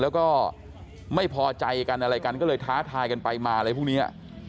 แล้วก็ไม่พอใจกันอะไรกันก็เลยท้าทายกันไปมาอะไรพวกนี้